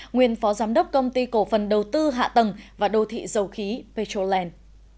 nguyên phó giám đốc công ty cổ phần đầu tư hạ tầng và đô thị dầu khí petroland